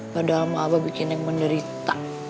padahal abah bikin neng menderita